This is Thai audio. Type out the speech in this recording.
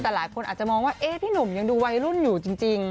แต่หลายคนอาจจะมองว่าพี่หนุ่มยังดูวัยรุ่นอยู่จริง